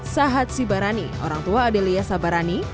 sahat sibarani orang tua adelia sabarani